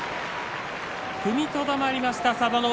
踏みとどまりました、佐田の海。